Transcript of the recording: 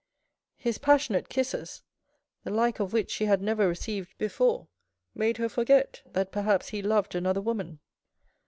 His passionate kisses, the like of which she had never received before, made her forget that perhaps he loved another woman.